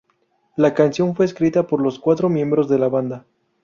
La canción fue escrita por los cuatro miembros de la banda.